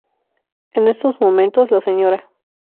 En estos momentos la Sra.